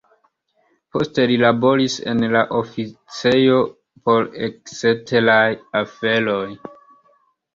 Poste li laboris en la oficejo por eksteraj aferoj.